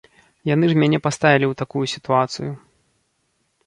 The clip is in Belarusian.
Яны ж мяне паставілі ў такую сітуацыю.